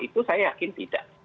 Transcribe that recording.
itu saya yakin tidak